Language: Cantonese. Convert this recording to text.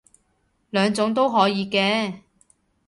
兩種都可以嘅